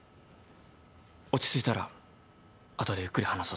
落ち着いたら後でゆっくり話そうと。